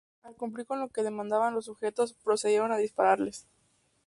Al cumplir con lo que demandaban los sujetos, procedieron a dispararles.